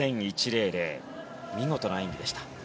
見事な演技でした。